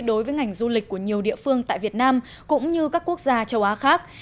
đối với ngành du lịch của nhiều địa phương tại việt nam cũng như các quốc gia châu á khác